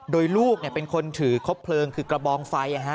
โดยลูกเป็นคนถือครบเพลิงคือกระบองไฟ